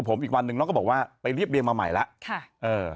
ผมอีกวันหนึ่งน้องก็บอกว่าไปเรียบเดียงมาใหม่แล้วค่ะเออ